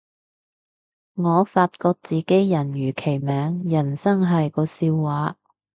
我發覺自己人如其名，人生係個笑話